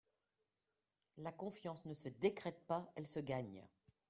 La confiance ne se décrète pas, elle se gagne.